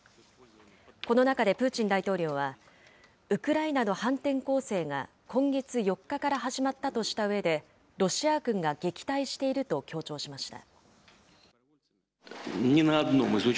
この中でプーチン大統領は、ウクライナの反転攻勢が今月４日から始まったとしたうえで、ロシア軍が撃退していると強調しました。